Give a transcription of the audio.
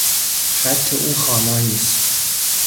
خط او خوانا نیست.